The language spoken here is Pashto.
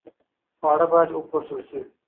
خواړه باید وپوښل شي.